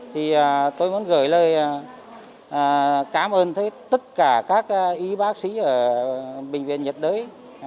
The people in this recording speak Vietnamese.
thì tôi muốn gửi lời cảm ơn tất cả các y bác sĩ ở bệnh viện nhiệt đới